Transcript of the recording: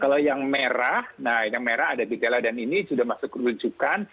kalau yang merah nah yang merah ada gejala dan ini sudah masuk kerucukan